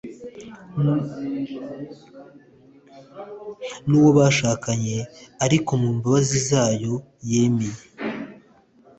n'uwo bashakanye, ariko mu mbabazi zayo yemeye